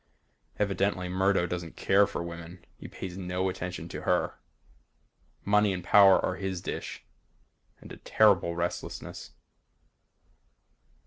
Evidently Murdo doesn't care for women. He pays no attention to her. Money and power are his dish. And a terrible restlessness.